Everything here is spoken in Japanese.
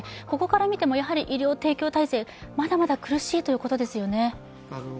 ここから見ても医療提供体制、まだまだ苦しいということですよね。